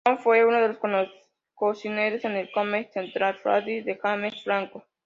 Kroll fue uno de los cocineros en el Comedy Central Roast de James Franco.